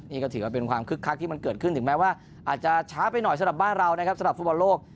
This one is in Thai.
นี่ก็ถือว่าเป็นความคึกคักที่มันเกิดขึ้นถึงแม้ว่าอาจจะช้าไปหน่อยสำหรับบ้านเรานะครับสำหรับฟุตบอลโลก